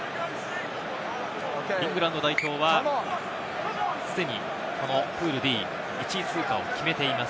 イングランド代表は既にこのプールＤ、１位通過を決めています。